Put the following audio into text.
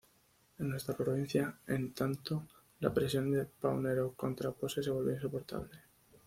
En nuestra provincia, en tanto, la presión de Paunero contra Posse se volvió insoportable.